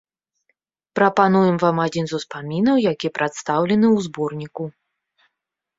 Прапануем вам адзін з успамінаў, які прадстаўлены ў зборніку.